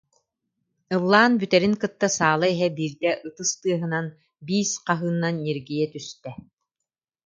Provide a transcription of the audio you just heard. Ыллаан бүтэрин кытта саала иһэ биирдэ ытыс тыаһынан, «биис» хаһыынан ньиргийэ түстэ